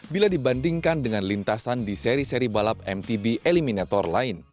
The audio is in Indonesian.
bila dibandingkan dengan lintasan di seri seri balap mtb eliminator lain